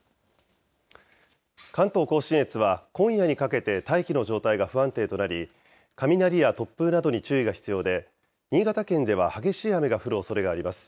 関東甲信越は今夜にかけて大気の状態が不安定となり、雷や突風などに注意が必要で、新潟県では激しい雨が降るおそれがあります。